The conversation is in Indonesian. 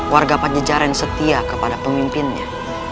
warga pajejaran setia kepada pemimpinnya